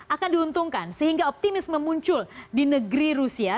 akan diuntungkan sehingga optimisme muncul di negeri rusia